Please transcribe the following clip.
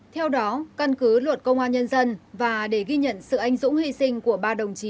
theo đó căn cứ luật công an nhân dân và để ghi nhận sự anh dũng hy sinh của ba đồng chí